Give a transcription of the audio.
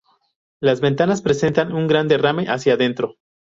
Las ventanas presentan un gran derrame hacia adentro.